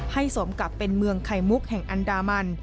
สมกับเป็นเมืองไข่มุกแห่งอันดามัน